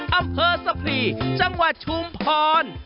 อำเภอสะพรีจังหวัดชุมพร